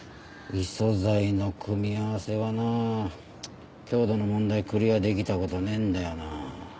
異素材の組み合わせはなちっ強度の問題クリアできたことねぇんだよな。